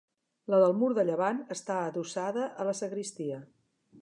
La del mur de llevant està adossada a la sagristia.